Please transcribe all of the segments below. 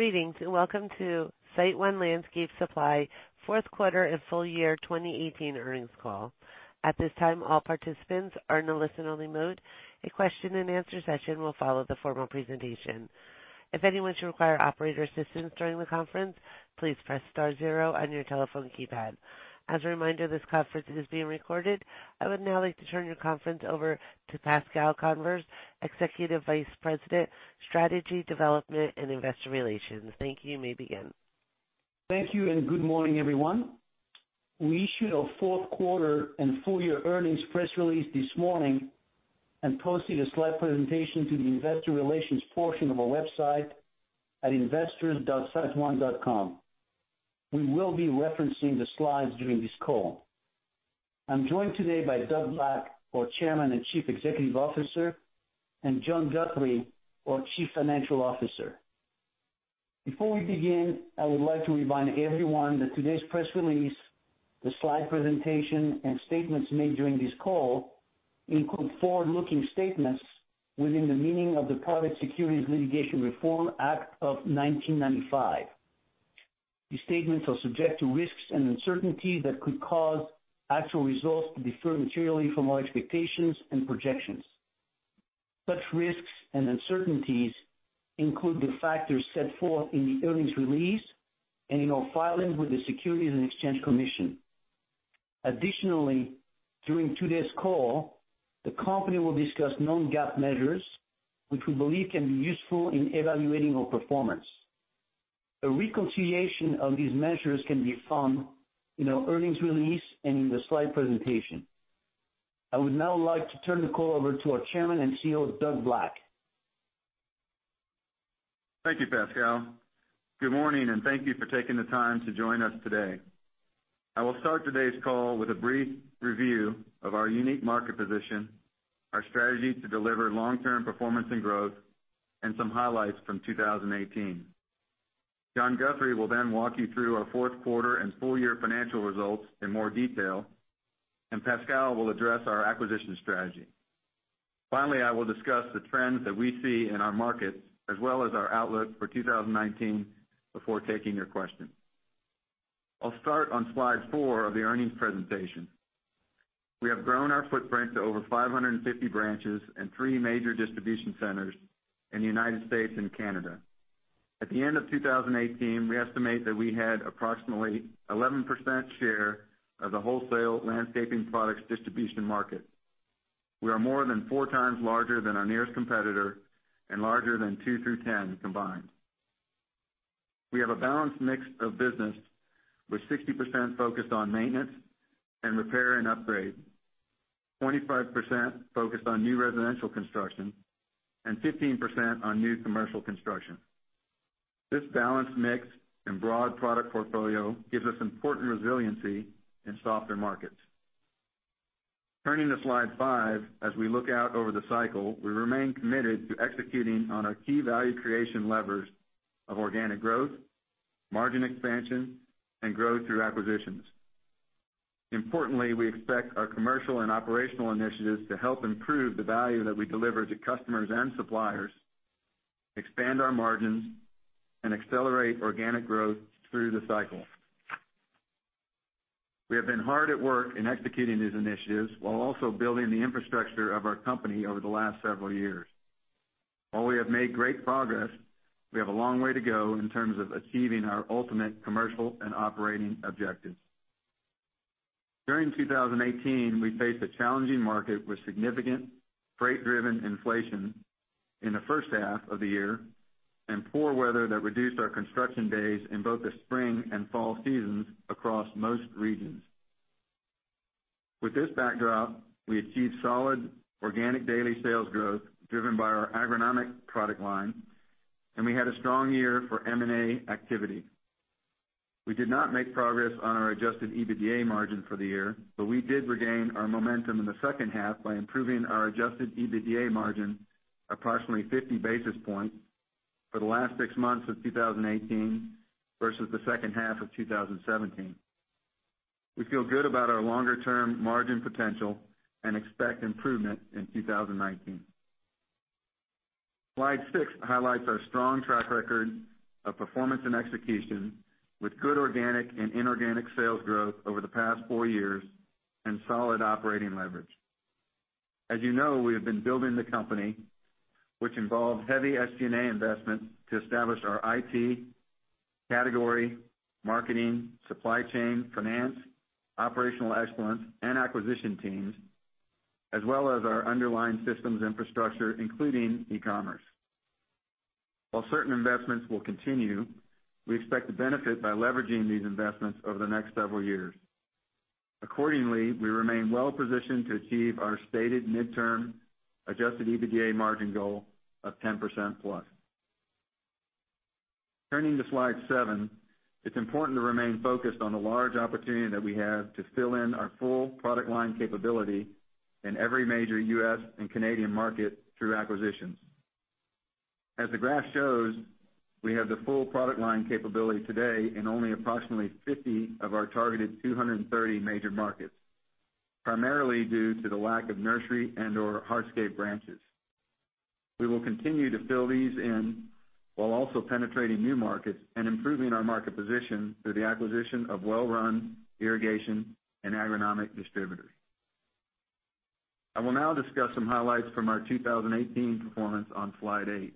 Greetings, welcome to SiteOne Landscape Supply fourth quarter and full year 2018 earnings call. At this time, all participants are in a listen-only mode. A question and answer session will follow the formal presentation. If anyone should require operator assistance during the conference, please press star zero on your telephone keypad. As a reminder, this conference is being recorded. I would now like to turn your conference over to Pascal Convers, Executive Vice President, Strategy, Development and Investor Relations. Thank you. You may begin. Thank you, good morning, everyone. We issued our fourth quarter and full year earnings press release this morning and posted a slide presentation to the investor relations portion of our website at investors.siteone.com. We will be referencing the slides during this call. I am joined today by Doug Black, our Chairman and Chief Executive Officer, and John Guthrie, our Chief Financial Officer. Before we begin, I would like to remind everyone that today's press release, the slide presentation, and statements made during this call include forward-looking statements within the meaning of the Private Securities Litigation Reform Act of 1995. These statements are subject to risks and uncertainties that could cause actual results to differ materially from our expectations and projections. Such risks and uncertainties include the factors set forth in the earnings release and in our filings with the Securities and Exchange Commission. During today's call, the company will discuss non-GAAP measures which we believe can be useful in evaluating our performance. A reconciliation of these measures can be found in our earnings release and in the slide presentation. I would now like to turn the call over to our Chairman and CEO, Doug Black. Thank you, Pascal. Good morning, thank you for taking the time to join us today. I will start today's call with a brief review of our unique market position, our strategy to deliver long-term performance and growth, and some highlights from 2018. John Guthrie will then walk you through our fourth quarter and full year financial results in more detail, Pascal will address our acquisition strategy. Finally, I will discuss the trends that we see in our markets as well as our outlook for 2019 before taking your questions. I will start on slide four of the earnings presentation. We have grown our footprint to over 550 branches and three major distribution centers in the United States and Canada. At the end of 2018, we estimate that we had approximately 11% share of the wholesale landscaping products distribution market. We are more than four times larger than our nearest competitor and larger than two through 10 combined. We have a balanced mix of business with 60% focused on maintenance and repair and upgrade, 25% focused on new residential construction, and 15% on new commercial construction. This balanced mix and broad product portfolio gives us important resiliency in softer markets. Turning to slide five, as we look out over the cycle, we remain committed to executing on our key value creation levers of organic growth, margin expansion, and growth through acquisitions. Importantly, we expect our commercial and operational initiatives to help improve the value that we deliver to customers and suppliers, expand our margins, and accelerate organic growth through the cycle. We have been hard at work in executing these initiatives while also building the infrastructure of our company over the last several years. While we have made great progress, we have a long way to go in terms of achieving our ultimate commercial and operating objectives. During 2018, we faced a challenging market with significant freight-driven inflation in the first half of the year and poor weather that reduced our construction days in both the spring and fall seasons across most regions. With this backdrop, we achieved solid organic daily sales growth driven by our agronomic product line, and we had a strong year for M&A activity. We did not make progress on our adjusted EBITDA margin for the year, but we did regain our momentum in the second half by improving our adjusted EBITDA margin approximately 50 basis points for the last six months of 2018 versus the second half of 2017. We feel good about our longer-term margin potential and expect improvement in 2019. Slide six highlights our strong track record of performance and execution with good organic and inorganic sales growth over the past four years and solid operating leverage. As you know, we have been building the company, which involved heavy SG&A investment to establish our IT, category, marketing, supply chain, finance, operational excellence, and acquisition teams as well as our underlying systems infrastructure, including e-commerce. While certain investments will continue, we expect to benefit by leveraging these investments over the next several years. Accordingly, we remain well positioned to achieve our stated midterm adjusted EBITDA margin goal of 10% plus. Turning to slide seven, it's important to remain focused on the large opportunity that we have to fill in our full product line capability in every major U.S. and Canadian market through acquisitions. As the graph shows, we have the full product line capability today in only approximately 50 of our targeted 230 major markets. Primarily due to the lack of nursery and/or hardscape branches. We will continue to fill these in while also penetrating new markets and improving our market position through the acquisition of well-run irrigation and agronomic distributors. I will now discuss some highlights from our 2018 performance on slide eight.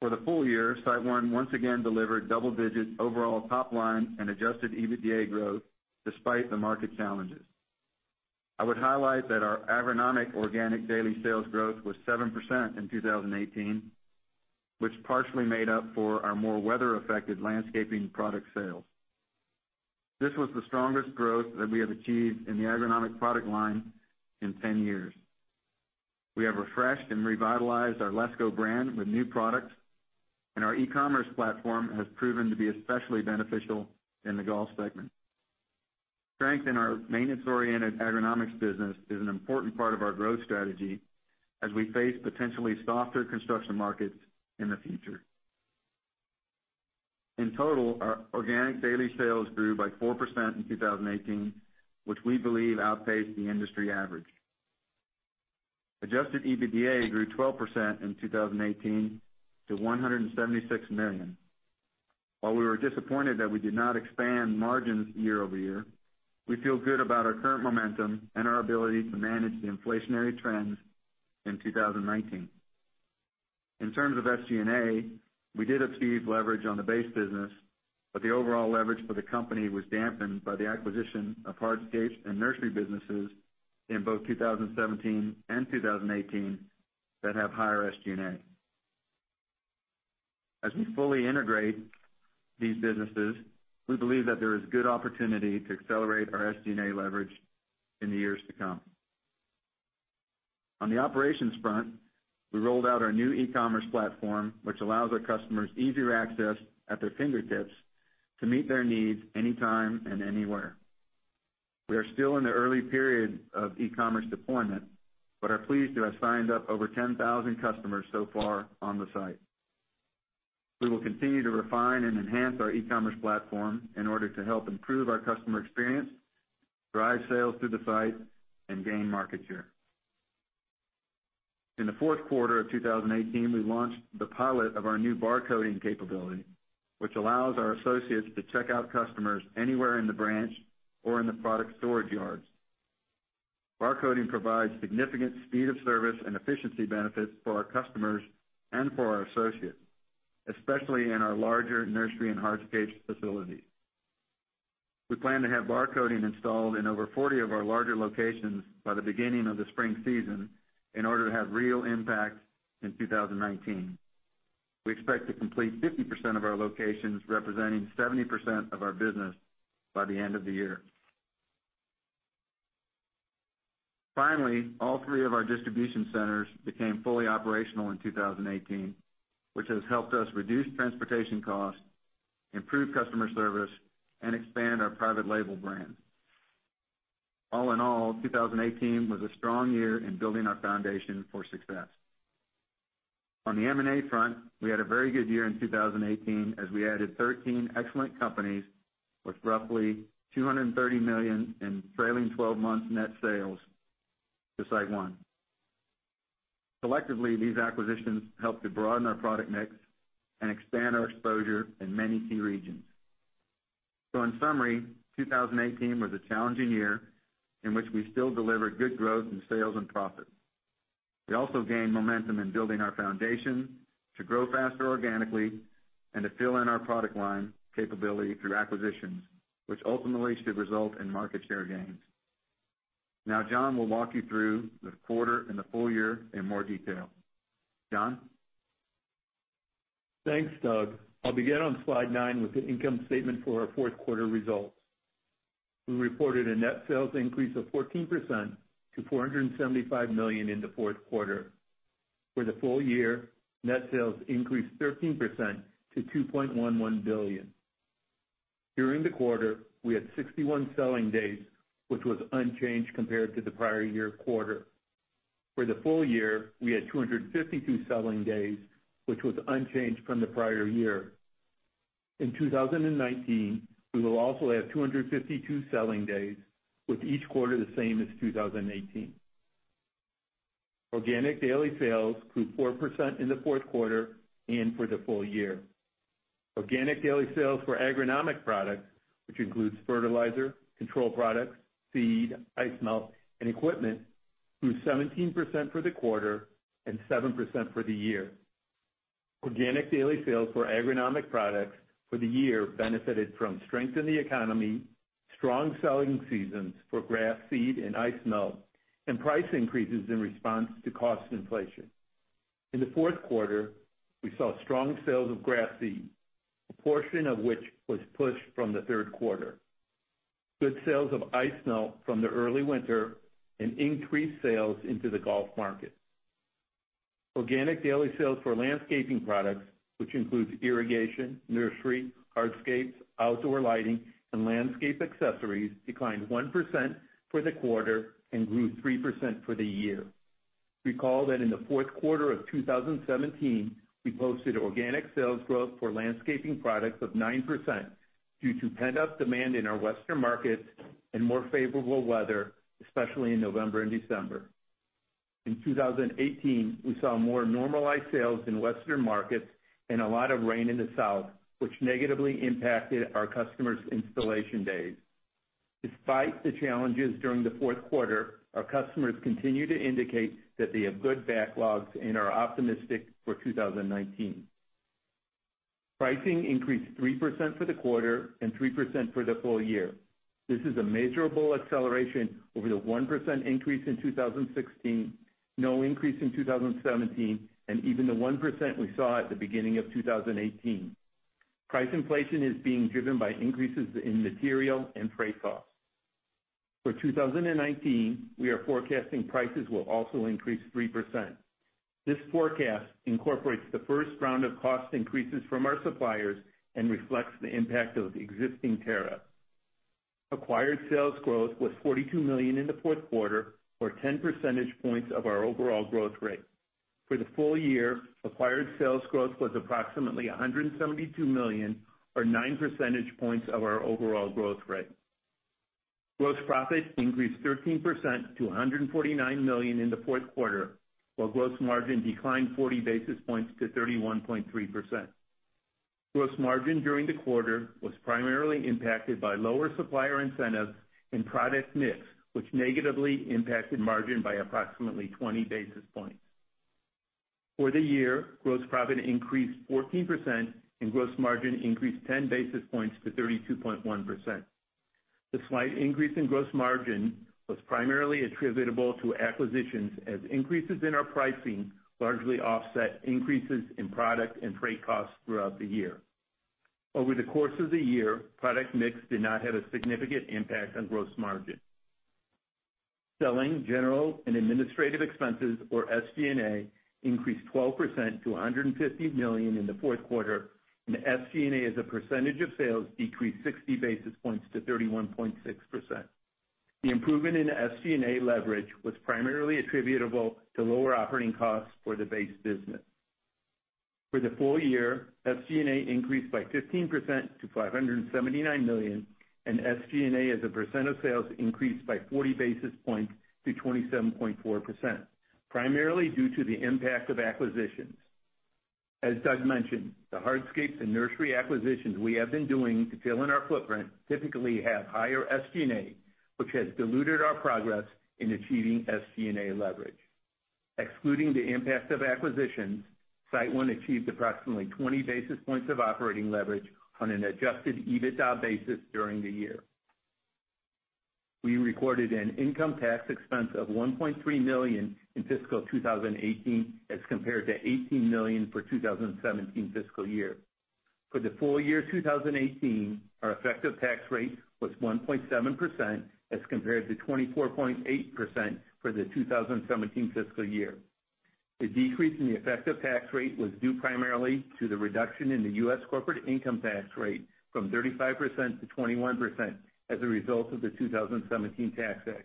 For the full year, SiteOne Landscape Supply once again delivered double-digit overall top line and adjusted EBITDA growth despite the market challenges. I would highlight that our agronomic organic daily sales growth was 7% in 2018, which partially made up for our more weather-affected landscaping product sales. This was the strongest growth that we have achieved in the agronomic product line in 10 years. We have refreshed and revitalized our LESCO brand with new products, and our e-commerce platform has proven to be especially beneficial in the golf segment. Strength in our maintenance-oriented agronomics business is an important part of our growth strategy as we face potentially softer construction markets in the future. In total, our organic daily sales grew by 4% in 2018, which we believe outpaced the industry average. Adjusted EBITDA grew 12% in 2018 to $176 million. While we were disappointed that we did not expand margins year-over-year, we feel good about our current momentum and our ability to manage the inflationary trends in 2019. In terms of SG&A, we did achieve leverage on the base business, but the overall leverage for the company was dampened by the acquisition of hardscapes and nursery businesses in both 2017 and 2018 that have higher SG&A. As we fully integrate these businesses, we believe that there is good opportunity to accelerate our SG&A leverage in the years to come. On the operations front, we rolled out our new e-commerce platform, which allows our customers easier access at their fingertips to meet their needs anytime and anywhere. We are still in the early period of e-commerce deployment, but are pleased to have signed up over 10,000 customers so far on the site. We will continue to refine and enhance our e-commerce platform in order to help improve our customer experience, drive sales through the site, and gain market share. In the fourth quarter of 2018, we launched the pilot of our new barcoding capability, which allows our associates to check out customers anywhere in the branch or in the product storage yards. Barcoding provides significant speed of service and efficiency benefits for our customers and for our associates, especially in our larger nursery and hardscapes facilities. We plan to have barcoding installed in over 40 of our larger locations by the beginning of the spring season in order to have real impact in 2019. We expect to complete 50% of our locations, representing 70% of our business by the end of the year. Finally, all three of our distribution centers became fully operational in 2018, which has helped us reduce transportation costs, improve customer service, and expand our private label brand. All in all, 2018 was a strong year in building our foundation for success. On the M&A front, we had a very good year in 2018 as we added 13 excellent companies with roughly $230 million in trailing 12 months net sales to SiteOne. Collectively, these acquisitions helped to broaden our product mix and expand our exposure in many key regions. In summary, 2018 was a challenging year in which we still delivered good growth in sales and profit. We also gained momentum in building our foundation to grow faster organically and to fill in our product line capability through acquisitions, which ultimately should result in market share gains. John will walk you through the quarter and the full year in more detail. John? Thanks, Doug. I'll begin on slide nine with the income statement for our fourth quarter results. We reported a net sales increase of 14% to $475 million in the fourth quarter. For the full year, net sales increased 13% to $2.11 billion. During the quarter, we had 61 selling days, which was unchanged compared to the prior year quarter. For the full year, we had 252 selling days, which was unchanged from the prior year. In 2019, we will also have 252 selling days, with each quarter the same as 2018. Organic daily sales grew 4% in the fourth quarter and for the full year. Organic daily sales for agronomic products, which includes fertilizer, control products, seed, ice melt, and equipment, grew 17% for the quarter and 7% for the year. Organic daily sales for agronomic products for the year benefited from strength in the economy, strong selling seasons for grass, seed, and ice melt, and price increases in response to cost inflation. In the fourth quarter, we saw strong sales of grass seed, a portion of which was pushed from the third quarter, good sales of ice melt from the early winter, and increased sales into the golf market. Organic daily sales for landscaping products, which includes irrigation, nursery, hardscapes, outdoor lighting, and landscape accessories, declined 1% for the quarter and grew 3% for the year. Recall that in the fourth quarter of 2017, we posted organic sales growth for landscaping products of 9% due to pent-up demand in our western markets and more favorable weather, especially in November and December. In 2018, we saw more normalized sales in western markets and a lot of rain in the south, which negatively impacted our customers' installation days. Despite the challenges during the fourth quarter, our customers continue to indicate that they have good backlogs and are optimistic for 2019. Pricing increased 3% for the quarter and 3% for the full year. This is a measurable acceleration over the 1% increase in 2016, no increase in 2017, and even the 1% we saw at the beginning of 2018. Price inflation is being driven by increases in material and freight costs. For 2019, we are forecasting prices will also increase 3%. This forecast incorporates the first round of cost increases from our suppliers and reflects the impact of existing tariffs. Acquired sales growth was $42 million in the fourth quarter or 10 percentage points of our overall growth rate. For the full year, acquired sales growth was approximately $172 million or nine percentage points of our overall growth rate. Gross profit increased 13% to $149 million in the fourth quarter, while gross margin declined 40 basis points to 31.3%. Gross margin during the quarter was primarily impacted by lower supplier incentives and product mix, which negatively impacted margin by approximately 20 basis points. For the year, gross profit increased 14% and gross margin increased 10 basis points to 32.1%. The slight increase in gross margin was primarily attributable to acquisitions as increases in our pricing largely offset increases in product and freight costs throughout the year. Over the course of the year, product mix did not have a significant impact on gross margin. Selling, general, and administrative expenses, or SG&A, increased 12% to $150 million in the fourth quarter, and SG&A as a percentage of sales decreased 60 basis points to 31.6%. The improvement in SG&A leverage was primarily attributable to lower operating costs for the base business. For the full year, SG&A increased by 15% to $579 million, and SG&A as a percent of sales increased by 40 basis points to 27.4%, primarily due to the impact of acquisitions. As Doug mentioned, the hardscapes and nursery acquisitions we have been doing to fill in our footprint typically have higher SG&A, which has diluted our progress in achieving SG&A leverage. Excluding the impact of acquisitions, SiteOne achieved approximately 20 basis points of operating leverage on an adjusted EBITDA basis during the year. We recorded an income tax expense of $1.3 million in fiscal 2018 as compared to $18 million for 2017 fiscal year. For the full year 2018, our effective tax rate was 1.7% as compared to 24.8% for the 2017 fiscal year. The decrease in the effective tax rate was due primarily to the reduction in the U.S. corporate income tax rate from 35% to 21% as a result of the 2017 Tax Act,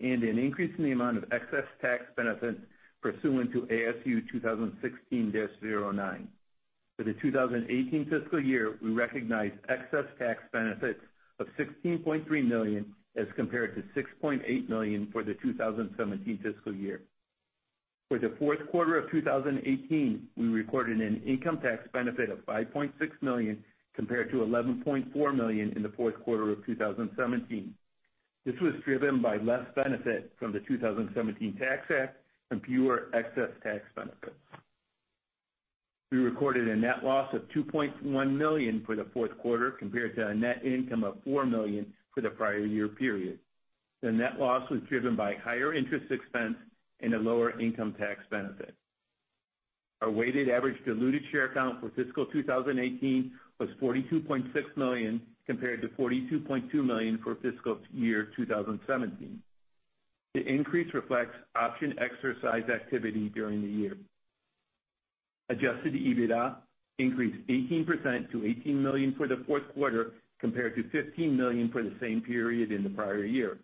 and an increase in the amount of excess tax benefits pursuant to ASU 2016-09. For the 2018 fiscal year, we recognized excess tax benefits of $16.3 million as compared to $6.8 million for the 2017 fiscal year. For the fourth quarter of 2018, we recorded an income tax benefit of $5.6 million compared to $11.4 million in the fourth quarter of 2017. This was driven by less benefit from the 2017 Tax Act and fewer excess tax benefits. We recorded a net loss of $2.1 million for the fourth quarter compared to a net income of $4 million for the prior year period. The net loss was driven by higher interest expense and a lower income tax benefit. Our weighted average diluted share count for fiscal 2018 was 42.6 million, compared to 42.2 million for fiscal year 2017. The increase reflects option exercise activity during the year. Adjusted EBITDA increased 18% to $18 million for the fourth quarter, compared to $15 million for the same period in the prior year.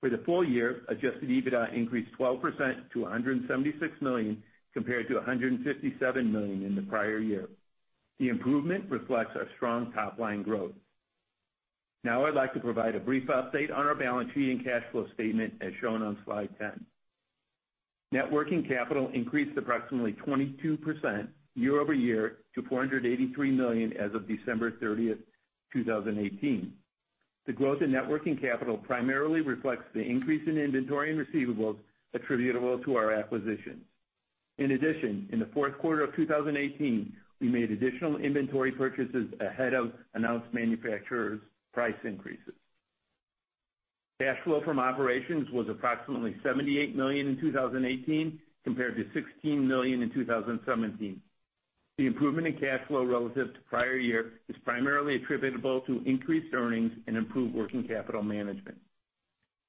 For the full year, adjusted EBITDA increased 12% to $176 million, compared to $157 million in the prior year. The improvement reflects our strong top-line growth. Now I'd like to provide a brief update on our balance sheet and cash flow statement as shown on slide 10. Net working capital increased approximately 22% year-over-year to $483 million as of December 30th, 2018. The growth in net working capital primarily reflects the increase in inventory and receivables attributable to our acquisitions. In addition, in the fourth quarter of 2018, we made additional inventory purchases ahead of announced manufacturers' price increases. Cash flow from operations was approximately $78 million in 2018 compared to $16 million in 2017. The improvement in cash flow relative to prior year is primarily attributable to increased earnings and improved working capital management.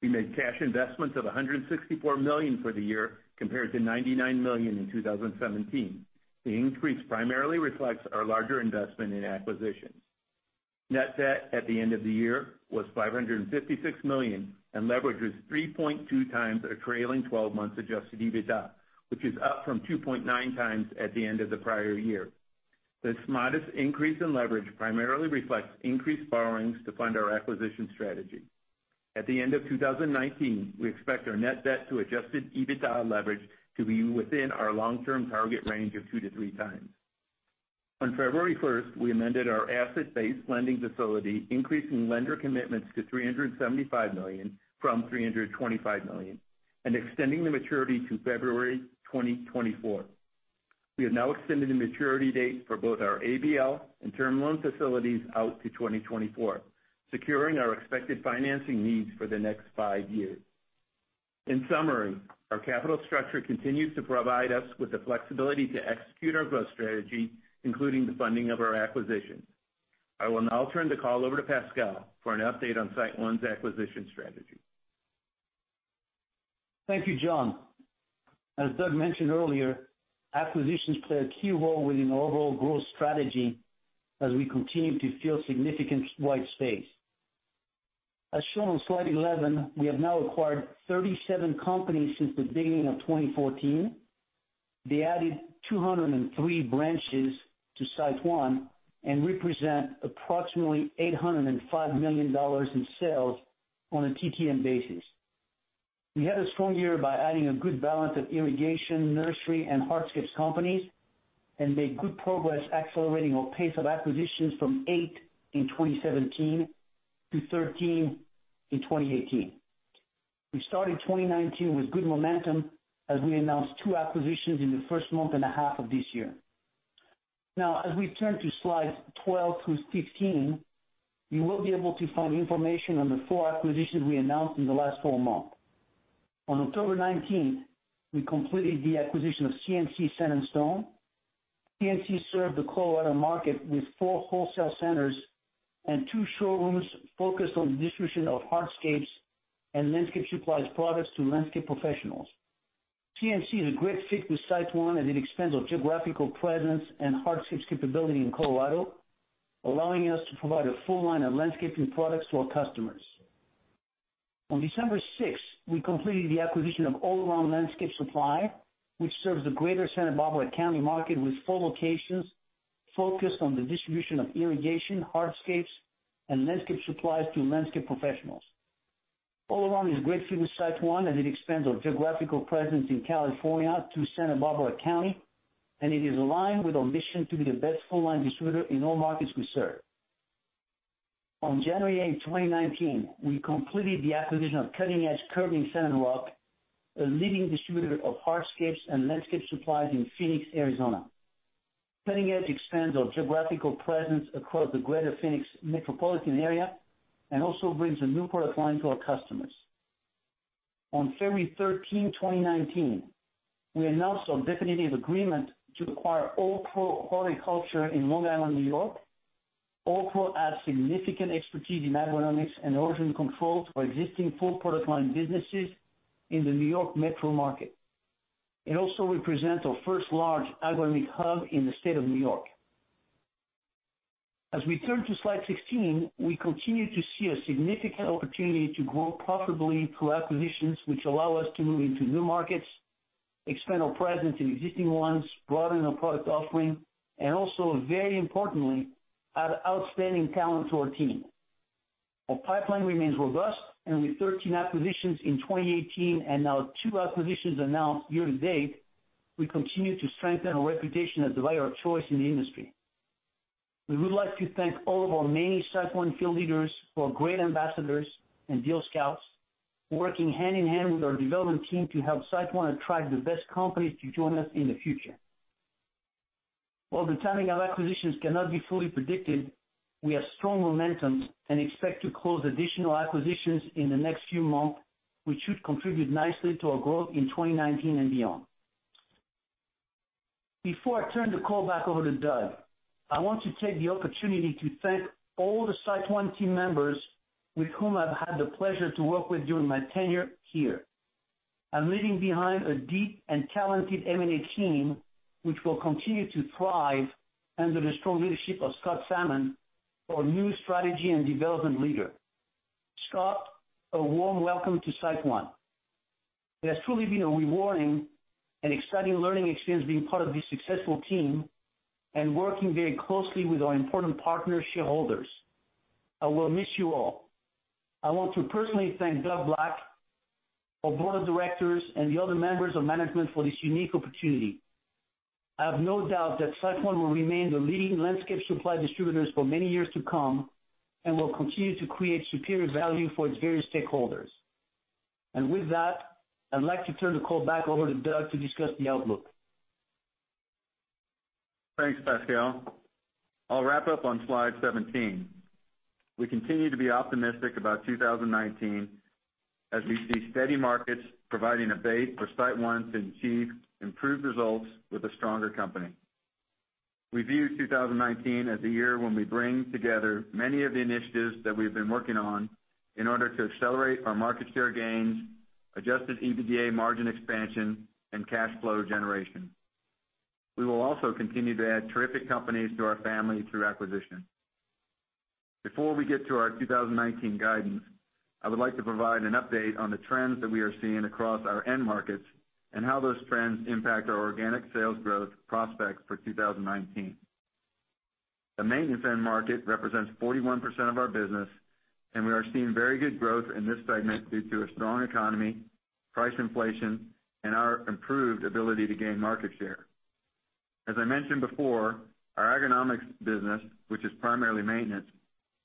We made cash investments of $164 million for the year compared to $99 million in 2017. The increase primarily reflects our larger investment in acquisitions. Net debt at the end of the year was $556 million, and leverage was 3.2 times at a trailing 12 months adjusted EBITDA, which is up from 2.9 times at the end of the prior year. This modest increase in leverage primarily reflects increased borrowings to fund our acquisition strategy. At the end of 2019, we expect our net debt to adjusted EBITDA leverage to be within our long-term target range of two to three times. On February 1st, we amended our asset-based lending facility, increasing lender commitments to $375 million from $325 million and extending the maturity to February 2024. We have now extended the maturity date for both our ABL and term loan facilities out to 2024, securing our expected financing needs for the next five years. In summary, our capital structure continues to provide us with the flexibility to execute our growth strategy, including the funding of our acquisitions. I will now turn the call over to Pascal for an update on SiteOne's acquisition strategy. Thank you, John. As Doug mentioned earlier, acquisitions play a key role within our overall growth strategy as we continue to fill significant white space. As shown on slide 11, we have now acquired 37 companies since the beginning of 2014. They added 203 branches to SiteOne and represent approximately $805 million in sales on a TTM basis. We had a strong year by adding a good balance of irrigation, nursery, and hardscapes companies and made good progress accelerating our pace of acquisitions from eight in 2017 to 13 in 2018. We started 2019 with good momentum as we announced two acquisitions in the first month and a half of this year. As we turn to slides 12 through 15, you will be able to find information on the four acquisitions we announced in the last four months. On October 19, we completed the acquisition of C&C Sand and Stone. C&C served the Colorado market with four wholesale centers and two showrooms focused on the distribution of hardscapes and landscape supplies products to landscape professionals. C&C is a great fit with SiteOne as it expands our geographical presence and hardscapes capability in Colorado, allowing us to provide a full line of landscaping products to our customers. On December 6, we completed the acquisition of All Around Landscape Supply, which serves the greater Santa Barbara County market with four locations focused on the distribution of irrigation, hardscapes, and landscape supplies to landscape professionals. All Around is great fit with SiteOne as it expands our geographical presence in California to Santa Barbara County, and it is aligned with our mission to be the best full line distributor in all markets we serve. On January 8, 2019, we completed the acquisition of Cutting Edge Curbing Sand & Rock, a leading distributor of hardscapes and landscape supplies in Phoenix, Arizona. Cutting Edge expands our geographical presence across the greater Phoenix metropolitan area and also brings a new product line to our customers. On February 13, 2019, we announced our definitive agreement to acquire All Pro Horticulture in Long Island, New York. All Pro adds significant expertise in agronomics and erosion control to our existing full product line businesses in the New York metro market. It also represents our first large agronomic hub in the state of New York. As we turn to slide 16, we continue to see a significant opportunity to grow profitably through acquisitions which allow us to move into new markets, expand our presence in existing ones, broaden our product offering, and also, very importantly, add outstanding talent to our team. Our pipeline remains robust. With 13 acquisitions in 2018 and now two acquisitions announced year to date, we continue to strengthen our reputation as the buyer of choice in the industry. We would like to thank all of our many SiteOne field leaders who are great ambassadors and deal scouts, working hand in hand with our development team to help SiteOne attract the best companies to join us in the future. While the timing of acquisitions cannot be fully predicted, we have strong momentum and expect to close additional acquisitions in the next few months, which should contribute nicely to our growth in 2019 and beyond. Before I turn the call back over to Doug, I want to take the opportunity to thank all the SiteOne team members with whom I've had the pleasure to work with during my tenure here. I'm leaving behind a deep and talented M&A team, which will continue to thrive under the strong leadership of Scott Salmon, our new strategy and development leader. Scott, a warm welcome to SiteOne. It has truly been a rewarding and exciting learning experience being part of this successful team and working very closely with our important partner shareholders. I will miss you all. I want to personally thank Doug Black, our board of directors, and the other members of management for this unique opportunity. I have no doubt that SiteOne will remain the leading landscape supply distributors for many years to come and will continue to create superior value for its various stakeholders. With that, I'd like to turn the call back over to Doug to discuss the outlook. Thanks, Pascal. I'll wrap up on slide 17. We continue to be optimistic about 2019 as we see steady markets providing a base for SiteOne to achieve improved results with a stronger company. We view 2019 as a year when we bring together many of the initiatives that we've been working on in order to accelerate our market share gains, adjusted EBITDA margin expansion, cash flow generation. We will also continue to add terrific companies to our family through acquisition. Before we get to our 2019 guidance, I would like to provide an update on the trends that we are seeing across our end markets and how those trends impact our organic sales growth prospects for 2019. The maintenance end market represents 41% of our business. We are seeing very good growth in this segment due to a strong economy, price inflation, and our improved ability to gain market share. As I mentioned before, our agronomics business, which is primarily maintenance,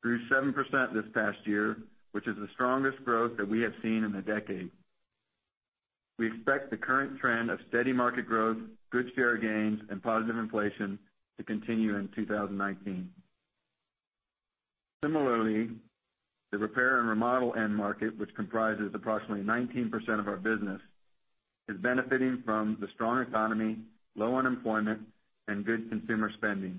grew 7% this past year, which is the strongest growth that we have seen in a decade. We expect the current trend of steady market growth, good share gains, and positive inflation to continue in 2019. Similarly, the repair and remodel end market, which comprises approximately 19% of our business, is benefiting from the strong economy, low unemployment, and good consumer spending.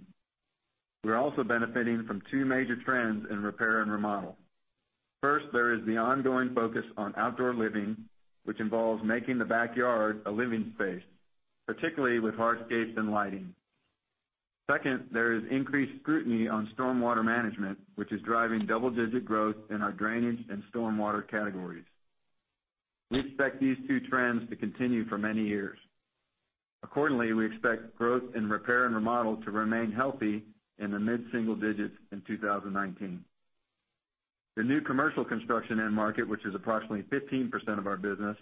We're also benefiting from two major trends in repair and remodel. First, there is the ongoing focus on outdoor living, which involves making the backyard a living space, particularly with hardscapes and lighting. Second, there is increased scrutiny on stormwater management, which is driving double-digit growth in our drainage and stormwater categories. We expect these two trends to continue for many years. Accordingly, we expect growth in repair and remodel to remain healthy in the mid-single digits in 2019. The new commercial construction end market, which is approximately 15% of our business,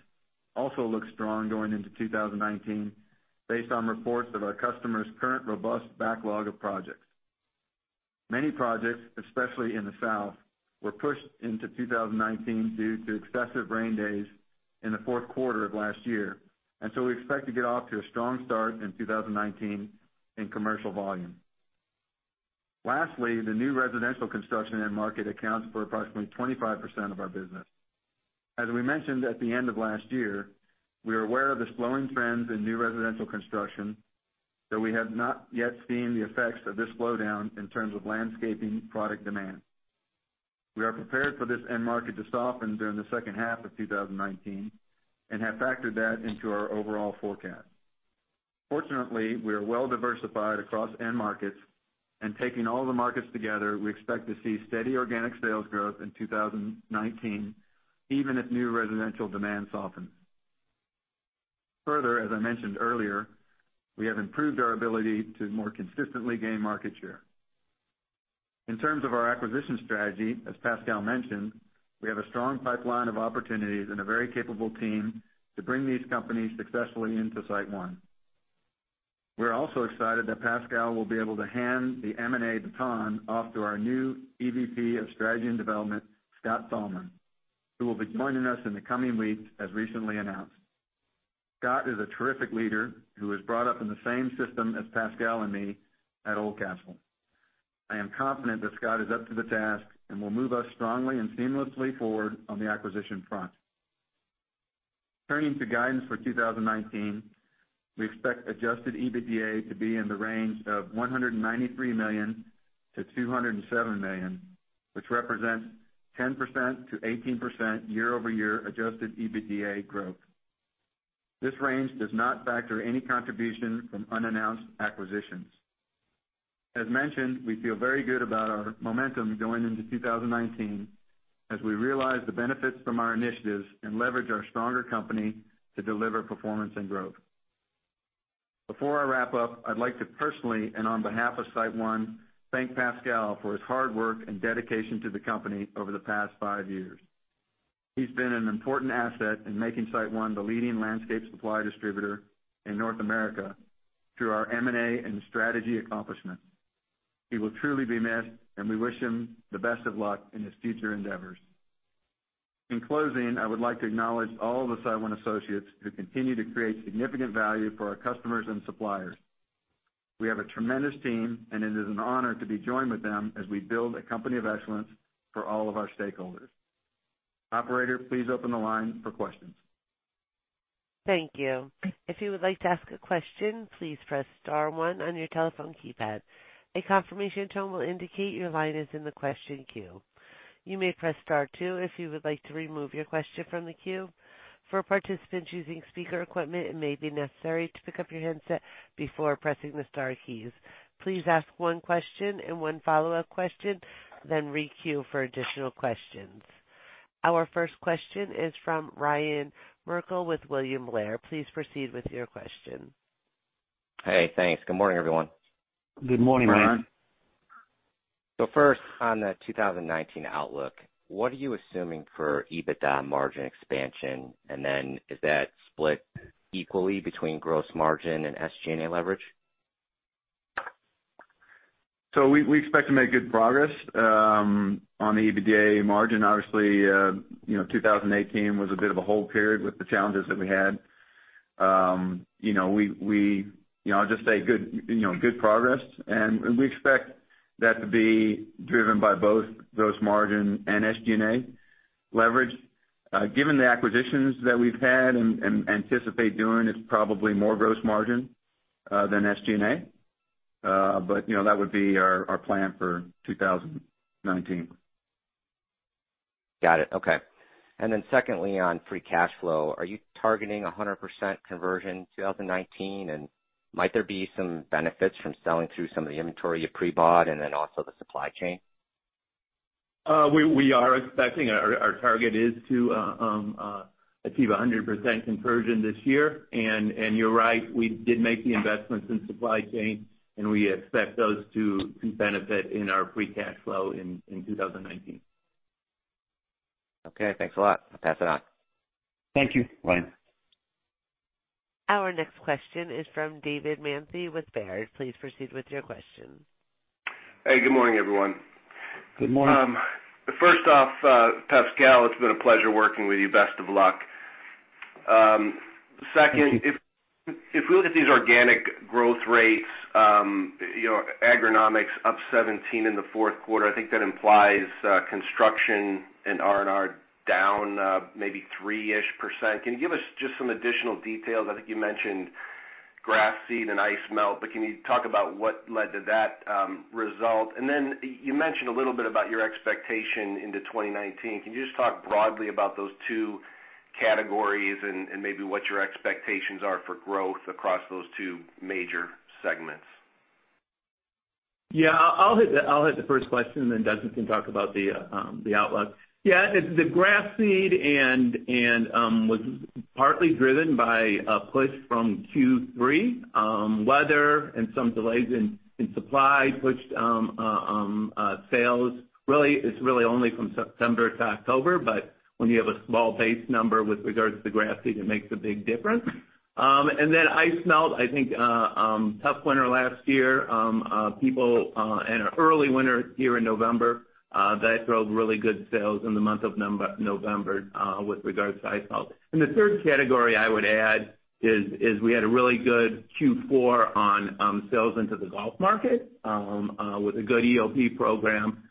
also looks strong going into 2019 based on reports of our customers' current robust backlog of projects. Many projects, especially in the South, were pushed into 2019 due to excessive rain days in the fourth quarter of last year, and so we expect to get off to a strong start in 2019 in commercial volume. Lastly, the new residential construction end market accounts for approximately 25% of our business. As we mentioned at the end of last year, we are aware of the slowing trends in new residential construction, though we have not yet seen the effects of this slowdown in terms of landscaping product demand. We are prepared for this end market to soften during the second half of 2019 and have factored that into our overall forecast. Fortunately, we are well-diversified across end markets, and taking all the markets together, we expect to see steady organic sales growth in 2019, even if new residential demand softens. Further, as I mentioned earlier, we have improved our ability to more consistently gain market share. In terms of our acquisition strategy, as Pascal mentioned, we have a strong pipeline of opportunities and a very capable team to bring these companies successfully into SiteOne. We're also excited that Pascal will be able to hand the M&A baton off to our new EVP of Strategy and Development, Scott Solomon, who will be joining us in the coming weeks, as recently announced. Scott is a terrific leader who was brought up in the same system as Pascal and me at Oldcastle. I am confident that Scott is up to the task and will move us strongly and seamlessly forward on the acquisition front. Turning to guidance for 2019, we expect adjusted EBITDA to be in the range of $193 million-$207 million, which represents 10%-18% year-over-year adjusted EBITDA growth. This range does not factor any contribution from unannounced acquisitions. As mentioned, we feel very good about our momentum going into 2019 as we realize the benefits from our initiatives and leverage our stronger company to deliver performance and growth. Before I wrap up, I'd like to personally, and on behalf of SiteOne, thank Pascal for his hard work and dedication to the company over the past five years. He's been an important asset in making SiteOne the leading landscape supply distributor in North America through our M&A and strategy accomplishments. He will truly be missed, and we wish him the best of luck in his future endeavors. In closing, I would like to acknowledge all the SiteOne associates who continue to create significant value for our customers and suppliers. We have a tremendous team, and it is an honor to be joined with them as we build a company of excellence for all of our stakeholders. Operator, please open the line for questions. Thank you. If you would like to ask a question, please press star one on your telephone keypad. A confirmation tone will indicate your line is in the question queue. You may press star two if you would like to remove your question from the queue. For participants using speaker equipment, it may be necessary to pick up your handset before pressing the star keys. Please ask one question and one follow-up question, then re-queue for additional questions. Our first question is from Ryan Merkel with William Blair. Please proceed with your question. Hey, thanks. Good morning, everyone. Good morning, Ryan. First on the 2019 outlook, what are you assuming for EBITDA margin expansion? Is that split equally between gross margin and SG&A leverage? We expect to make good progress on the EBITDA margin. Obviously, 2018 was a bit of a hole period with the challenges that we had. I'll just say good progress, and we expect that to be driven by both gross margin and SG&A leverage. Given the acquisitions that we've had and anticipate doing, it's probably more gross margin than SG&A. That would be our plan for 2019. Got it. Okay. Secondly, on free cash flow, are you targeting 100% conversion 2019? Might there be some benefits from selling through some of the inventory you pre-bought and also the supply chain? We are expecting our target is to achieve 100% conversion this year. You're right, we did make the investments in supply chain, and we expect those to benefit in our free cash flow in 2019. Okay. Thanks a lot. I'll pass it on. Thank you. Bye. Our next question is from David Manthey with Baird. Please proceed with your question. Hey, good morning, everyone. Good morning. First off, Pascal Convers, it has been a pleasure working with you. Best of luck. Second, if we look at these organic growth rates, agronomics up 17 in the fourth quarter, I think that implies construction and R&R down maybe three-ish%. Can you give us just some additional details? I think you mentioned grass seed and ice melt, but can you talk about what led to that result? You mentioned a little bit about your expectation into 2019. Can you just talk broadly about those two categories and maybe what your expectations are for growth across those two major segments? Yeah. I will hit the first question, then Doug can talk about the outlook. Yeah. The grass seed was partly driven by a push from Q3. Weather and some delays in supply pushed sales. It is really only from September to October, but when you have a small base number with regards to grass seed, it makes a big difference. Ice melt, I think, tough winter last year. An early winter here in November that drove really good sales in the month of November with regards to ice melt. The third category I would add is we had a really good Q4 on sales into the golf market with a good EOP program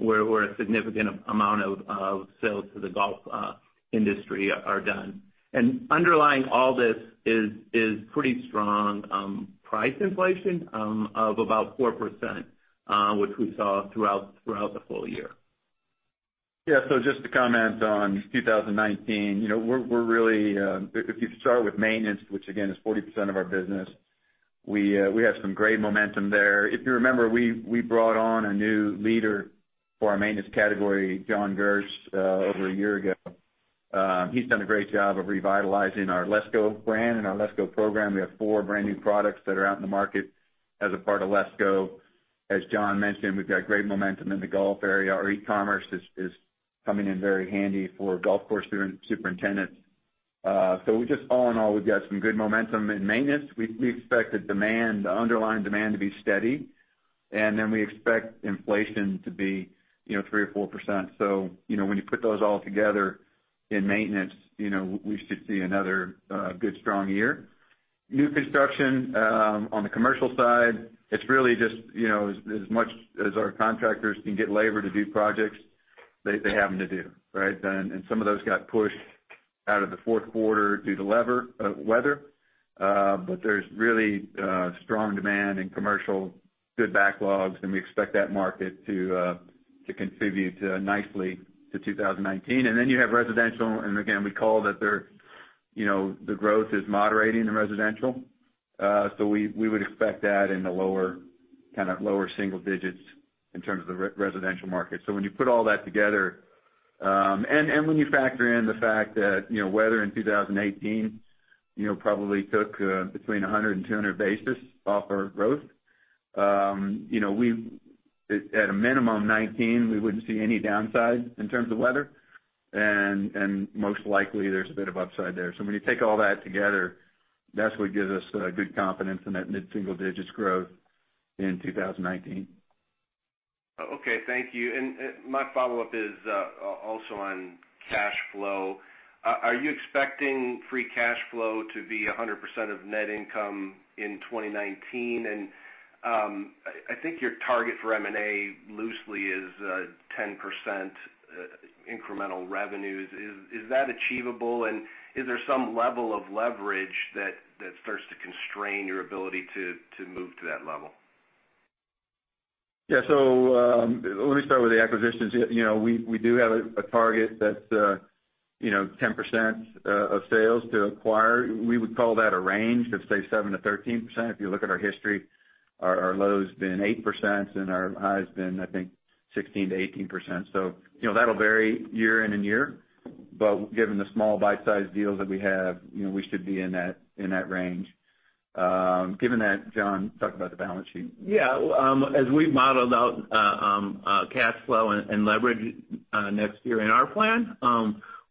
where a significant amount of sales to the golf industry are done. Underlying all this is pretty strong price inflation of about 4%, which we saw throughout the full year. Yeah. Just to comment on 2019, if you start with maintenance, which again is 40% of our business, we have some great momentum there. If you remember, we brought on a new leader for our maintenance category, John Guthrie over a year ago. He has done a great job of revitalizing our LESCO brand and our LESCO program. We have four brand-new products that are out in the market as a part of LESCO. As John mentioned, we have got great momentum in the golf area. Our e-commerce is coming in very handy for golf course superintendents. All in all, we have got some good momentum in maintenance. We expect the underlying demand to be steady, we expect inflation to be 3% or 4%. When you put those all together in maintenance, we should see another good, strong year. New construction on the commercial side, it's really just as much as our contractors can get labor to do projects, they have them to do, right? Some of those got pushed out of the fourth quarter due to weather. There's really strong demand in commercial, good backlogs, and we expect that market to contribute nicely to 2019. Then you have residential, and again, we call that the growth is moderating in residential. We would expect that in the lower single digits in terms of the residential market. When you put all that together and when you factor in the fact that weather in 2018 probably took between 100 and 200 basis off our growth. At a minimum, 2019, we wouldn't see any downside in terms of weather, and most likely there's a bit of upside there. When you take all that together, that's what gives us good confidence in that mid-single digits growth in 2019. Okay, thank you. My follow-up is also on cash flow. Are you expecting free cash flow to be 100% of net income in 2019? I think your target for M&A loosely is 10% incremental revenues. Is that achievable and is there some level of leverage that starts to constrain your ability to move to that level? Yeah. Let me start with the acquisitions. We do have a target that's 10% of sales to acquire. We would call that a range of, say, 7%-13%. If you look at our history, our low's been 8% and our high's been, I think, 16%-18%. That'll vary year in and year, but given the small bite-size deals that we have, we should be in that range. Given that, John, talk about the balance sheet. Yeah. As we've modeled out cash flow and leverage next year in our plan,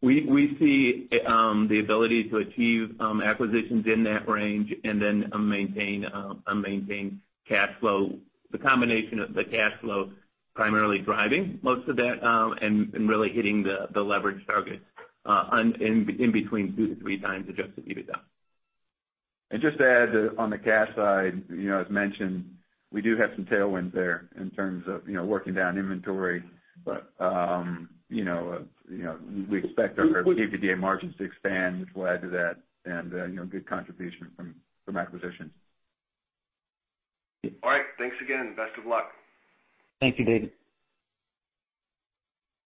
we see the ability to achieve acquisitions in that range and then maintain cash flow. The combination of the cash flow primarily driving most of that and really hitting the leverage target in between two to three times adjusted EBITDA. Just to add on the cash side, as mentioned, we do have some tailwinds there in terms of working down inventory. We expect our EBITDA margins to expand, which will add to that and good contribution from acquisitions. All right. Thanks again. Best of luck. Thank you, David.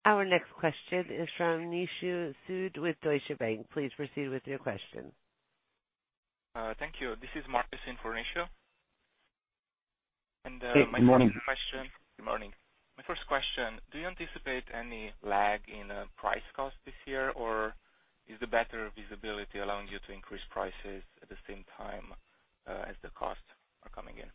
Our next question is from Nishu Sood with Deutsche Bank. Please proceed with your question. Thank you. This is Marius in for Nishu. My first question- Hey, good morning Good morning. My first question, do you anticipate any lag in price cost this year, or is the better visibility allowing you to increase prices at the same time as the costs are coming in?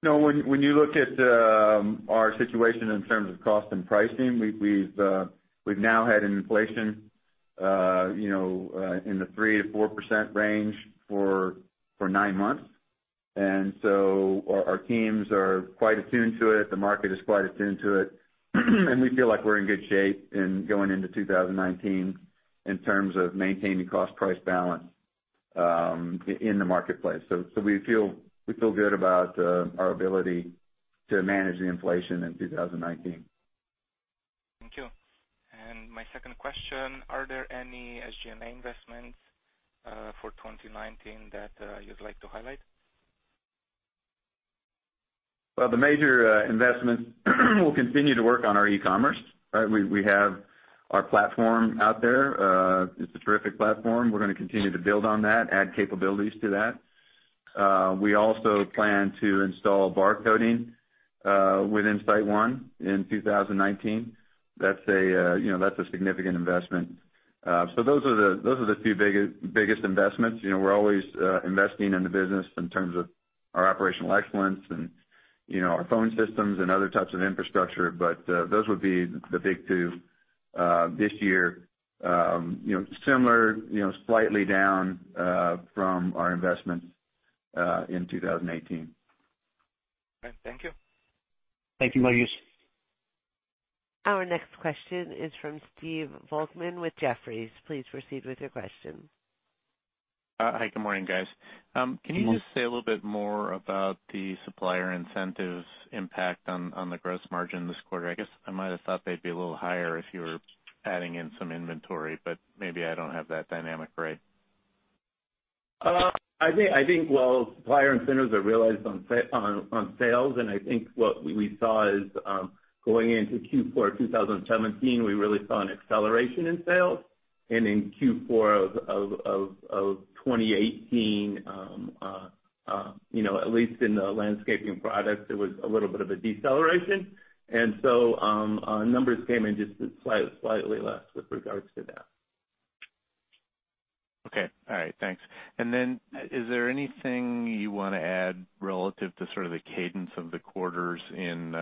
No, when you look at our situation in terms of cost and pricing, we've now had an inflation in the 3%-4% range for nine months. Our teams are quite attuned to it. The market is quite attuned to it, we feel like we're in good shape in going into 2019 in terms of maintaining cost price balance in the marketplace. We feel good about our ability to manage the inflation in 2019. Thank you. My second question, are there any SG&A investments for 2019 that you'd like to highlight? Well, the major investments will continue to work on our e-commerce. We have our platform out there. It's a terrific platform. We're going to continue to build on that, add capabilities to that. We also plan to install bar coding within SiteOne in 2019. That's a significant investment. Those are the few biggest investments. We're always investing in the business in terms of our operational excellence and our phone systems and other types of infrastructure. Those would be the big two this year. Similar, slightly down from our investment in 2018. All right. Thank you. Thank you, Marius. Our next question is from Stephen Volkmann with Jefferies. Please proceed with your question. Hi, good morning, guys. Good morning. Can you just say a little bit more about the supplier incentives impact on the gross margin this quarter? I guess I might've thought they'd be a little higher if you were adding in some inventory, but maybe I don't have that dynamic right. Well, supplier incentives are realized on sales. I think what we saw is, going into Q4 2017, we really saw an acceleration in sales. In Q4 2018, at least in the landscaping products, there was a little bit of a deceleration. Our numbers came in just slightly less with regards to that. Okay. All right. Thanks. Is there anything you want to add relative to sort of the cadence of the quarters in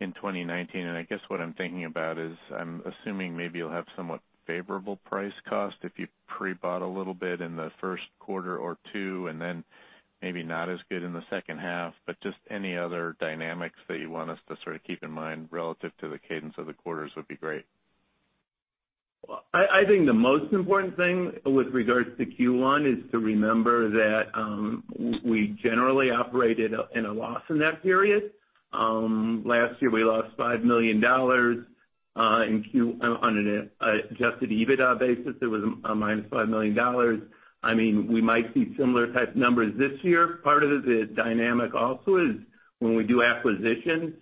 2019? I guess what I'm thinking about is, I'm assuming maybe you'll have somewhat favorable price cost if you pre-bought a little bit in the first quarter or two, then maybe not as good in the second half. Just any other dynamics that you want us to sort of keep in mind relative to the cadence of the quarters would be great. Well, I think the most important thing with regards to Q1 is to remember that we generally operated in a loss in that period. Last year, we lost $5 million. On an adjusted EBITDA basis, it was a minus $5 million. We might see similar type numbers this year. Part of the dynamic also is when we do acquisitions.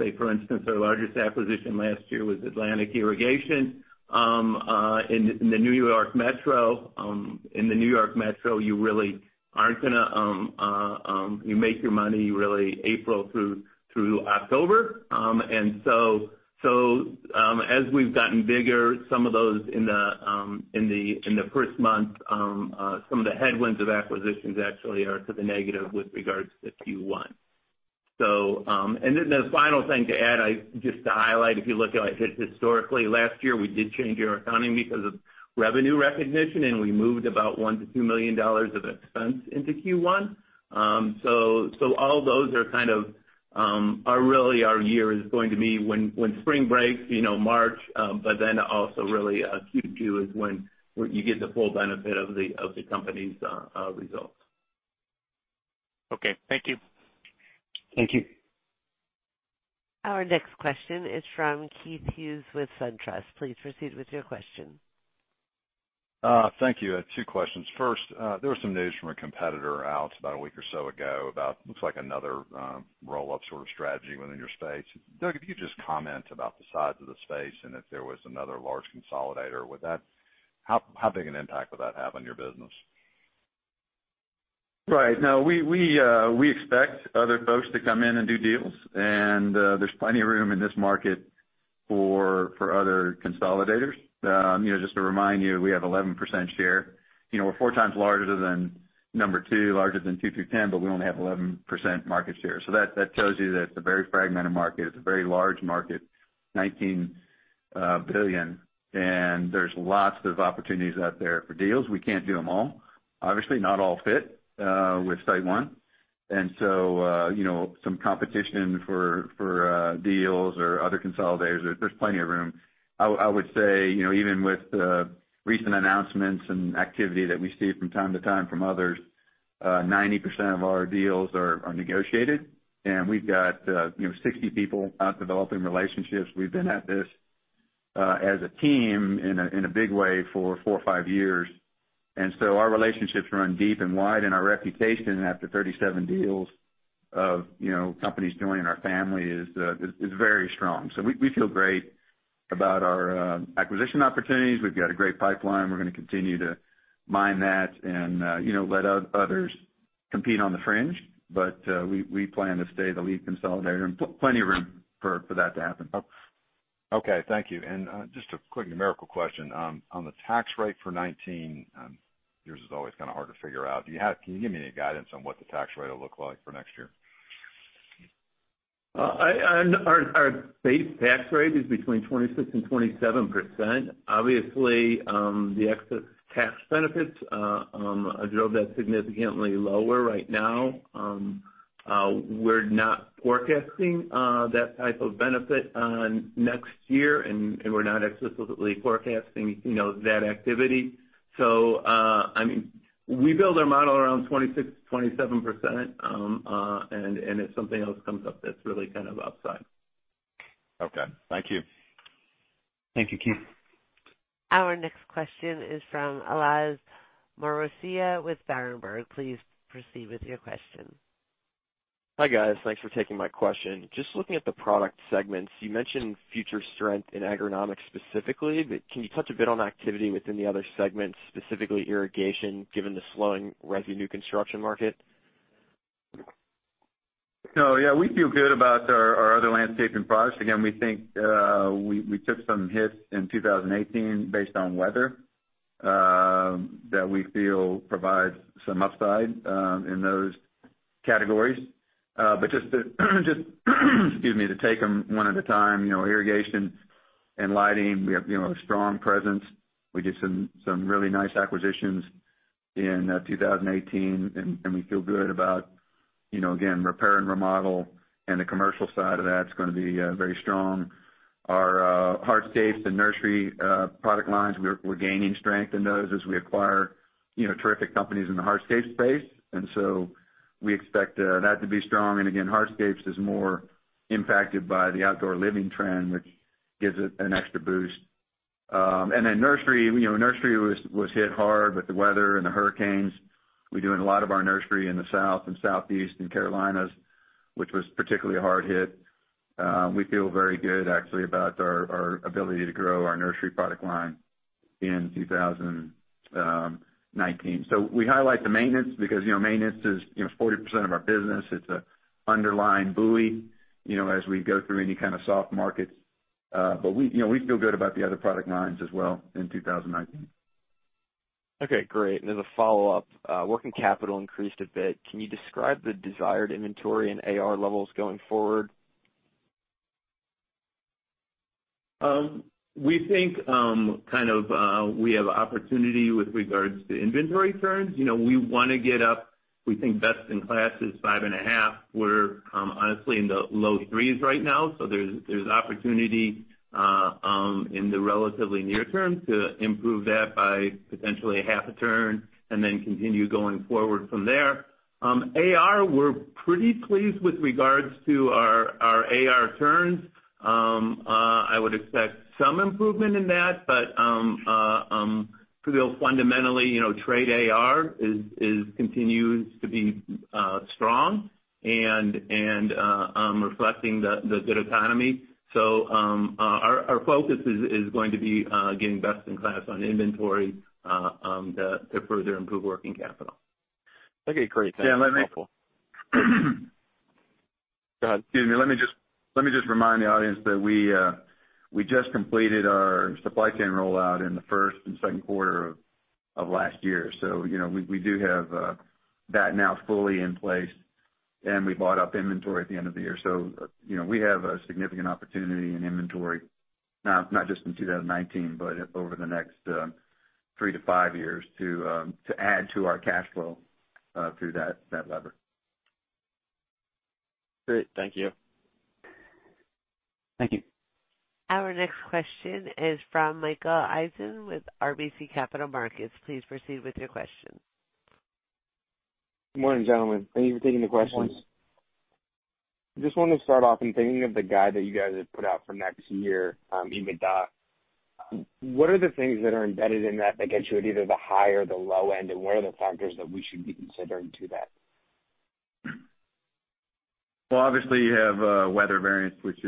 Say, for instance, our largest acquisition last year was Atlantic Irrigation in the New York Metro. In the New York Metro, you make your money really April through October. As we've gotten bigger, some of those in the first month, some of the headwinds of acquisitions actually are to the negative with regards to Q1. The final thing to add, just to highlight, if you look at historically last year, we did change our accounting because of revenue recognition, and we moved about $1 million-$2 million of expense into Q1. All those are kind of Really, our year is going to be when spring breaks, March, also really Q2 is when you get the full benefit of the company's results. Okay. Thank you. Thank you. Our next question is from Keith Hughes with SunTrust. Please proceed with your question. Thank you. I have two questions. First, there was some news from a competitor out about a week or so ago about looks like another roll-up sort of strategy within your space. Doug, if you could just comment about the size of the space, and if there was another large consolidator, how big an impact would that have on your business? Right. No, we expect other folks to come in and do deals, there's plenty of room in this market for other consolidators. Just to remind you, we have 11% share. We're 4 times larger than number 2, larger than 2 through 10, but we only have 11% market share. That tells you that it's a very fragmented market. It's a very large market, $19 billion, there's lots of opportunities out there for deals. We can't do them all. Obviously, not all fit with SiteOne. Some competition for deals or other consolidators, there's plenty of room. I would say, even with recent announcements and activity that we see from time to time from others, 90% of our deals are negotiated. We've got 60 people out developing relationships. We've been at this as a team in a big way for four or five years. Our relationships run deep and wide, our reputation after 37 deals of companies joining our family is very strong. We feel great about our acquisition opportunities. We've got a great pipeline. We're going to continue to mine that, let others compete on the fringe, we plan to stay the lead consolidator, plenty of room for that to happen. Okay. Thank you. Just a quick numerical question. On the tax rate for 2019, yours is always kind of hard to figure out. Can you give me any guidance on what the tax rate will look like for next year? Our base tax rate is between 26% and 27%. Obviously, the excess tax benefits drove that significantly lower right now. We're not forecasting that type of benefit on next year, we're not explicitly forecasting that activity. We build our model around 26%-27%, if something else comes up that's really kind of upside. Okay. Thank you. Thank you, Keith. Our next question is from Elias Marousia with Berenberg. Please proceed with your question. Hi, guys. Thanks for taking my question. Just looking at the product segments, you mentioned future strength in agronomics specifically, but can you touch a bit on activity within the other segments, specifically irrigation, given the slowing resi new construction market? Yeah, we feel good about our other landscaping products. Again, we think we took some hits in 2018 based on weather, that we feel provides some upside in those categories. Just to excuse me, to take them one at a time, irrigation and lighting, we have a strong presence. We did some really nice acquisitions in 2018, and we feel good about again, repair and remodel and the commercial side of that is going to be very strong. Our hardscapes and nursery product lines, we're gaining strength in those as we acquire terrific companies in the hardscape space. We expect that to be strong. Again, hardscapes is more impacted by the outdoor living trend, which gives it an extra boost. Then nursery was hit hard with the weather and the hurricanes. We do a lot of our nursery in the South and Southeast and Carolinas, which was particularly hard hit. We feel very good, actually, about our ability to grow our nursery product line in 2019. We highlight the maintenance because maintenance is 40% of our business. It's an underlying buoy as we go through any kind of soft markets. We feel good about the other product lines as well in 2019. Okay, great. As a follow-up, working capital increased a bit. Can you describe the desired inventory and AR levels going forward? We think we have opportunity with regards to inventory turns. We want to get up, we think best in class is five and a half. We're honestly in the low threes right now, there's opportunity in the relatively near term to improve that by potentially a half a turn and then continue going forward from there. AR, we're pretty pleased with regards to our AR turns. I would expect some improvement in that, but still fundamentally, trade AR continues to be strong and reflecting the good economy. Our focus is going to be getting best in class on inventory to further improve working capital. Okay, great. Thanks. That's helpful. Yeah, let me. Go ahead. Excuse me. Let me just remind the audience that we just completed our supply chain rollout in the first and second quarter of last year. We do have that now fully in place, and we bought up inventory at the end of the year. We have a significant opportunity in inventory, not just in 2019, but over the next three to five years to add to our cash flow through that lever. Great. Thank you. Thank you. Our next question is from Mike Dahl with RBC Capital Markets. Please proceed with your question. Good morning, gentlemen. Thank you for taking the questions. Good morning. Just wanted to start off in thinking of the guide that you guys have put out for next year, EBITDA. What are the things that are embedded in that that get you at either the high or the low end, and what are the factors that we should be considering to that? Obviously, you have weather variance, which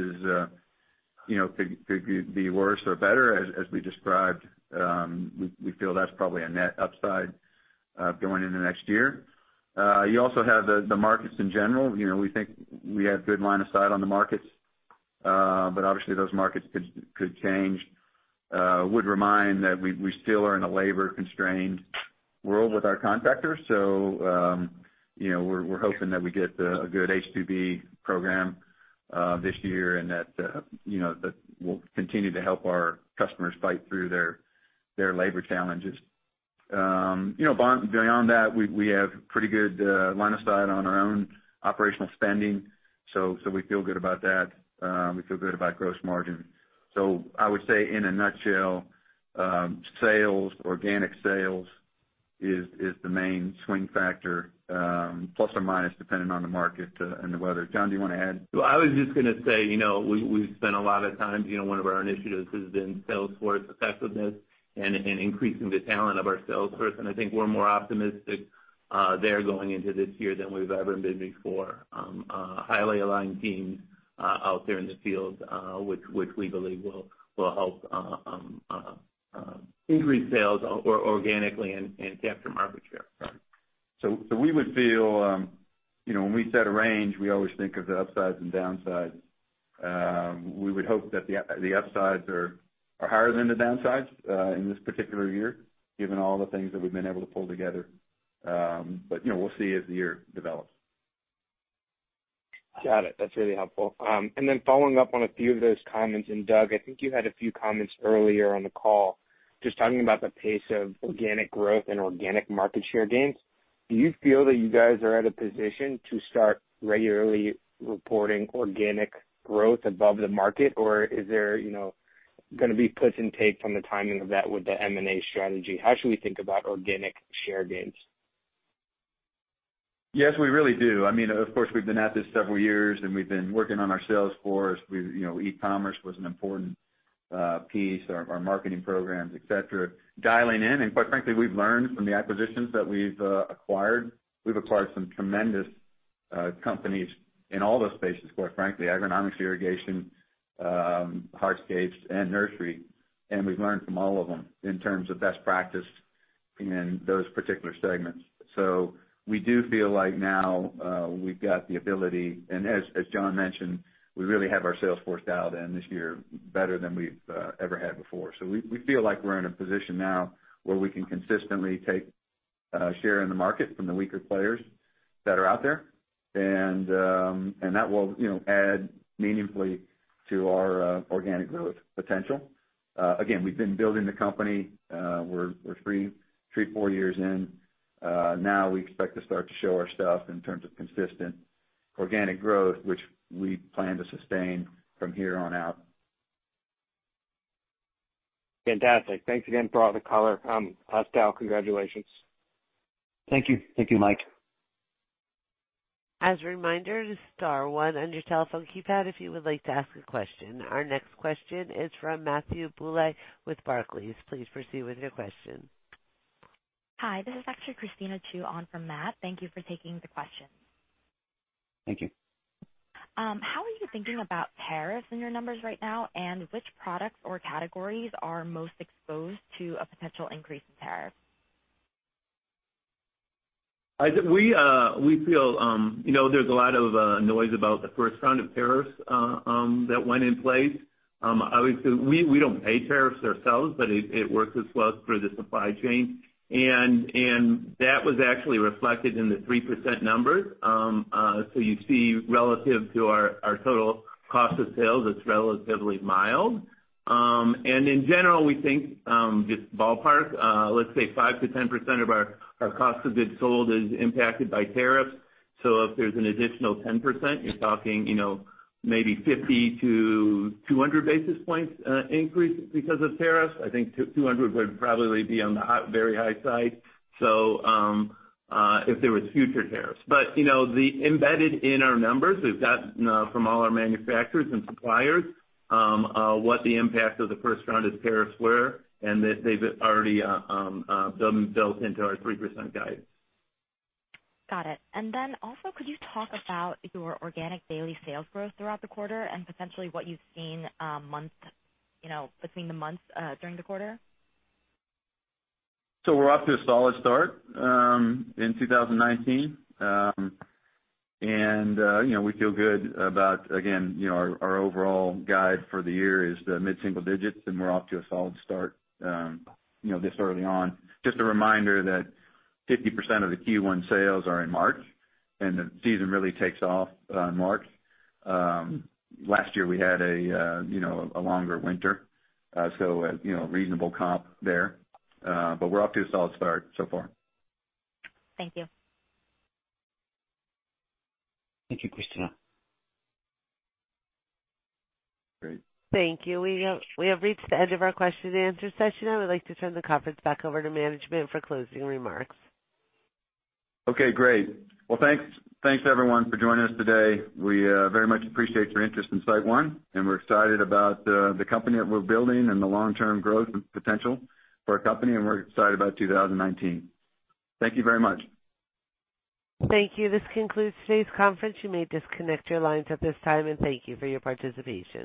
could be worse or better, as we described. We feel that's probably a net upside going into next year. You also have the markets in general. We think we have good line of sight on the markets, but obviously those markets could change. Would remind that we still are in a labor-constrained world with our contractors, so we're hoping that we get a good H-2B program this year and that will continue to help our customers fight through their labor challenges. Beyond that, we have pretty good line of sight on our own operational spending. We feel good about that. We feel good about gross margin. I would say in a nutshell, sales, organic sales is the main swing factor, plus or minus, depending on the market and the weather. John, do you want to add? I was just going to say, we've spent a lot of time, one of our initiatives has been sales force effectiveness and increasing the talent of our sales force. I think we're more optimistic there going into this year than we've ever been before. A highly aligned team out there in the field, which we believe will help increase sales organically and capture market share. We would feel, when we set a range, we always think of the upsides and downsides. We would hope that the upsides are higher than the downsides in this particular year, given all the things that we've been able to pull together. We'll see as the year develops. Got it. That's really helpful. Then following up on a few of those comments, Doug, I think you had a few comments earlier on the call, just talking about the pace of organic growth and organic market share gains. Do you feel that you guys are at a position to start regularly reporting organic growth above the market? Or is there going to be puts and takes on the timing of that with the M&A strategy? How should we think about organic share gains? Yes, we really do. Of course, we've been at this several years, we've been working on our sales force. E-commerce was an important piece, our marketing programs, et cetera, dialing in. Quite frankly, we've learned from the acquisitions that we've acquired. We've acquired some tremendous companies in all those spaces, quite frankly, agronomics, irrigation, hardscapes, and nursery. We've learned from all of them in terms of best practice in those particular segments. We do feel like now we've got the ability, and as John mentioned, we really have our sales force dialed in this year better than we've ever had before. We feel like we're in a position now where we can consistently take share in the market from the weaker players that are out there, and that will add meaningfully to our organic growth potential. Again, we've been building the company. We're three, four years in. Now we expect to start to show our stuff in terms of consistent organic growth, which we plan to sustain from here on out. Fantastic. Thanks again for all the color. Pascal, congratulations. Thank you. Thank you, Mike. As a reminder, star one on your telephone keypad if you would like to ask a question. Our next question is from Matthew Bouley with Barclays. Please proceed with your question. Hi, this is actually Christina Chu on for Matt. Thank you for taking the question. Thank you. How are you thinking about tariffs in your numbers right now? Which products or categories are most exposed to a potential increase in tariffs? There's a lot of noise about the first round of tariffs that went in place. Obviously, we don't pay tariffs ourselves, but it works its way through the supply chain. That was actually reflected in the 3% numbers. You see relative to our total cost of sales, it's relatively mild. In general, we think, just ballpark, let's say 5%-10% of our cost of goods sold is impacted by tariffs. If there's an additional 10%, you're talking maybe 50-200 basis points increase because of tariffs. I think 200 would probably be on the very high side if there was future tariffs. Embedded in our numbers, we've gotten from all our manufacturers and suppliers what the impact of the first round of tariffs were, and they've already been built into our 3% guide. Got it. Then also, could you talk about your organic daily sales growth throughout the quarter and potentially what you've seen between the months during the quarter? We're off to a solid start in 2019. We feel good about, again, our overall guide for the year is the mid-single digits, and we're off to a solid start this early on. Just a reminder that 50% of the Q1 sales are in March, and the season really takes off in March. Last year we had a longer winter, so reasonable comp there. We're off to a solid start so far. Thank you. Thank you, Christina. Great. Thank you. We have reached the end of our question and answer session. I would like to turn the conference back over to management for closing remarks. Okay, great. Well, thanks everyone for joining us today. We very much appreciate your interest in SiteOne, and we're excited about the company that we're building and the long-term growth potential for our company, and we're excited about 2019. Thank you very much. Thank you. This concludes today's conference. You may disconnect your lines at this time, and thank you for your participation.